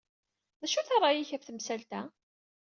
D acu-t ṛṛay-ik ɣef temsalt-a?